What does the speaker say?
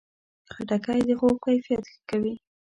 خټکی د خوب کیفیت ښه کوي.